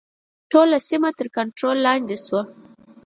ټوله سیمه تر کنټرول لاندې شوه.